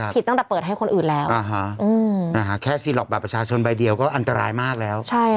ตั้งแต่เปิดให้คนอื่นแล้วแค่ซีหลอกบัตรประชาชนใบเดียวก็อันตรายมากแล้ว